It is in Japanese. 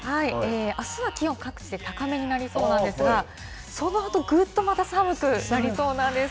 あすは気温、各地で高めになりそうなんですが、そのあと、ぐっとまた寒くなりそうなんです。